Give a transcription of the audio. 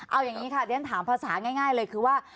เอาอย่างนี้ค่ะเรียนถามภาษาง่ายเลยคือว่า